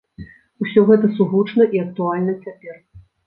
Усё гэта сугучна і актуальна цяпер.